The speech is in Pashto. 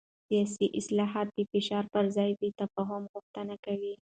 سیاسي اصلاحات د فشار پر ځای د تفاهم غوښتنه کوي